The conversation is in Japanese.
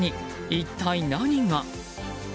一体何が？